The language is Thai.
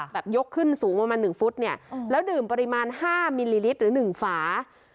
แบบยกขึ้นสูงประมาณหนึ่งฟุตเนี่ยอืมแล้วดื่มปริมาณห้ามิลลิลิตรหรือหนึ่งฝา